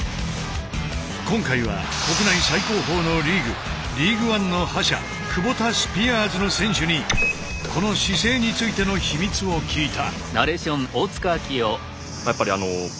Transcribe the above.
今回は国内最高峰のリーグＬＥＡＧＵＥＯＮＥの覇者クボタスピアーズの選手にこの姿勢についての秘密を聞いた。